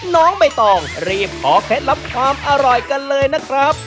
น้องใบตองรีบขอเคล็ดลับความอร่อยกันเลยนะครับ